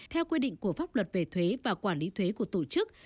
theo quy định của pháp luật về thuế và quản lý thuế của tổ chức